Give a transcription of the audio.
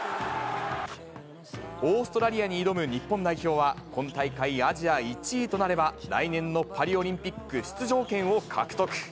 オーストラリアに挑む日本代表は、今大会アジア１位となれば、来年のパリオリンピック出場権を獲得。